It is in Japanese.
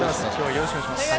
よろしくお願いします。